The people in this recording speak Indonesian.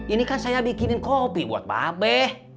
ini kan saya bikinin kopi buat mbak be